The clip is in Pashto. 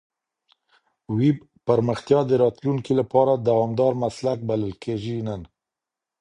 ویب پرمختیا د راتلونکي لپاره دوامدار مسلک بلل کېږي نن.